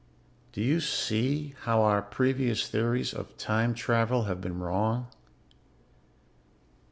"Do you see how our previous theories of time travel have been wrong?